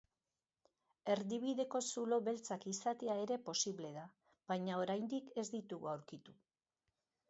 Erdibideko zulo beltzak izatea ere posible da, baina oraindik ez ditugu aurkitu.